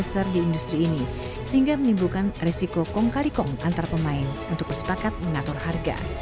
sehingga menimbulkan resiko kom kali kom antar pemain untuk bersepakat mengatur harga